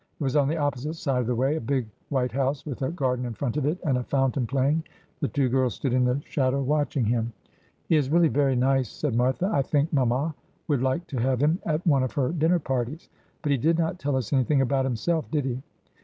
It was on the opposite side of the way, a big white house, with a garden in front of it, and a fountain playing. The two girls stood in the shadow watching him. ' He is really very nice,' said Martha. ' I think mamma would like to have him at one of her dinner parties. But he did not tell us anything about himself, did he